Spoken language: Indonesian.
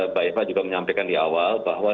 mbak eva juga menyampaikan di awal bahwa